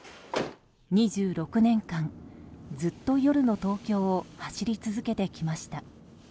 ２６年間、ずっと夜の東京を走り続けてきました。